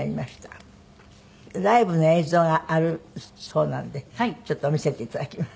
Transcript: ライブの映像があるそうなのでちょっと見せていただきます。